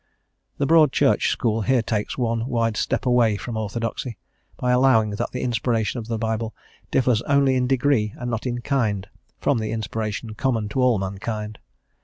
The Broad Church school here takes one wide step away from orthodoxy, by allowing that the inspiration of the Bible differs only in degree and not in kind from the inspiration common to all mankind.